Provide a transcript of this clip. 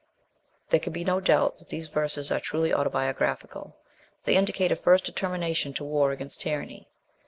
There can be no doubt that these verses are truly autobiographical; they indicate a first determination to war against tyranny.